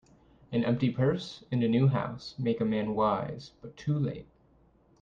An empty purse, and a new house, make a man wise, but too late.